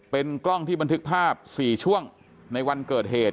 เป็นกล้องที่บันทึกภาพ๔ช่วงในวันเกิดเหตุ